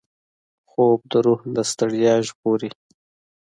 خوب د روح له ستړیا ژغوري